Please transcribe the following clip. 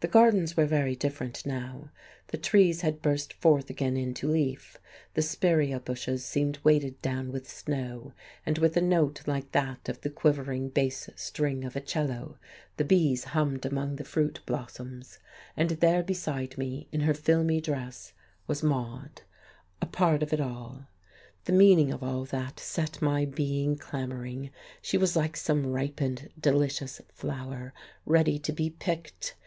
The gardens were very different, now. The trees had burst forth again into leaf, the spiraea bushes seemed weighted down with snow, and with a note like that of the quivering bass string of a 'cello the bees hummed among the fruit blossoms. And there beside me in her filmy dress was Maude, a part of it all the meaning of all that set my being clamouring. She was like some ripened, delicious flower ready to be picked....